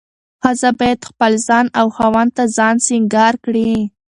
ښځه باید خپل ځان او خاوند ته ځان سينګار کړي.